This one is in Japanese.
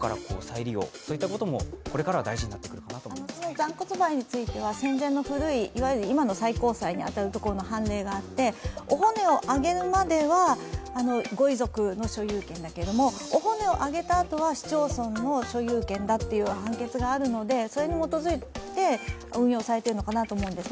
残骨灰については、戦前の古い、いわゆる今の最高裁に当たる判例があって、お骨をあげるまではご遺族の所有権だけれども、お骨をあげたあとは市町村の所有権だという判決があるのでそれに基づいて運用されているのかなと思うんですね。